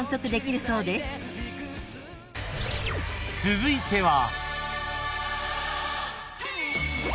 ［続いては］